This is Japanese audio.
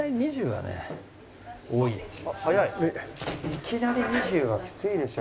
いきなり２０はきついでしょ。